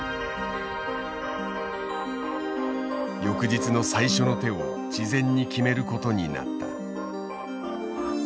翌日の最初の手を事前に決めることになった。